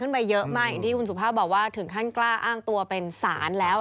ไปเยอะมากอย่างที่คุณสุภาพบอกว่าถึงขั้นกล้าอ้างตัวเป็นศาลแล้ว